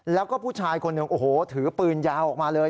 แล้วก็ผู้ชายคนหนึ่งโอ้โหถือปืนยาวออกมาเลย